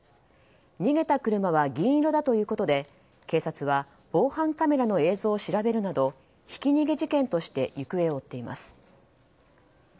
逃げた車は銀色だということで警察は防犯カメラの映像を調べるなどひき逃げ事件として行方を追っています。